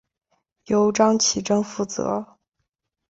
由张启珍负责。